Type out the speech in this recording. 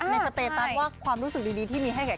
สเตตัสว่าความรู้สึกดีที่มีให้กับ